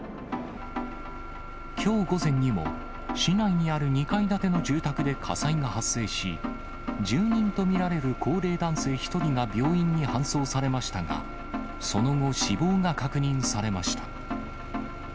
きょう午前にも、市内にある２階建ての住宅で火災が発生し、住人と見られる高齢男性１人が病院に搬送されましたが、その後、死亡が確認されました。